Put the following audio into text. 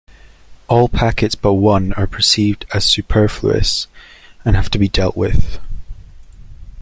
All packets but one are perceived as superfluous, and have to be dealt with.